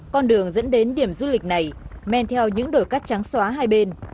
con đường dẫn đến điểm du lịch này men theo những đồi cắt trắng xóa hai bên